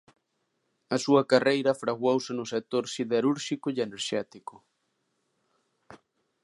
A súa carreira fraguouse no sector siderúrxico e enerxético.